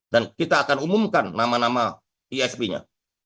dan saya akan mengumumkan nama nama isp nya